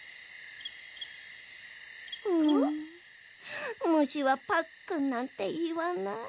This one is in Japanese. うんむしは「パックン」なんていわない。